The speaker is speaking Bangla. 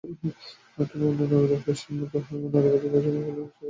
তবে অন্যান্য পেশার মতো এখানেও নারীদের বিভিন্ন সমস্যার মোকাবিলা করতে হচ্ছে।